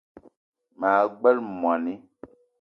Maa gbele moni